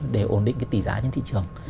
để ổn định cái tỷ giá trên thị trường